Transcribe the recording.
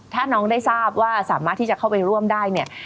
ถ้าน้องได้ทราบว่าสามารถที่จะเข้าไปร่วมได้เนี่ย